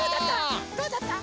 どうだった？